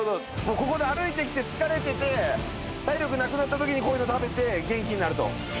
ここで歩いてきて疲れてて体力なくなったときにこういうの食べて元気になると。